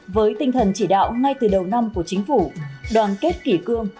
với tinh thần chỉ đạo ngay từ đầu năm của chính phủ đoàn kết kỷ cương